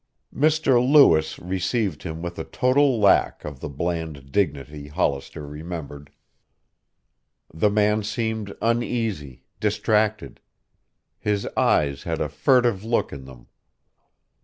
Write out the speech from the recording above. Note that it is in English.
Mr. Lewis received him with a total lack of the bland dignity Hollister remembered. The man seemed uneasy, distracted. His eyes had a furtive look in them.